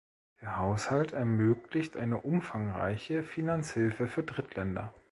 Der Haushalt ermöglicht eine umfangreiche Finanzhilfe für Drittländer.